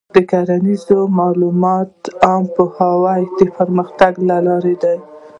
د کرنیزو معلوماتو عامه پوهاوی د پرمختګ لاره ده.